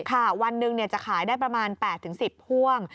วันหนึ่งจะขายได้ประมาณ๘๑๐พ่วง